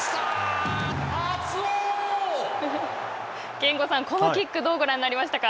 憲剛さん、このキック、どうご覧になりましたか。